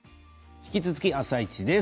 引き続き「あさイチ」です。